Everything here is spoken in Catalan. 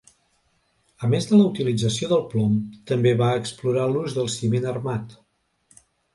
A més de la utilització del plom, també va explorar l'ús del ciment armat.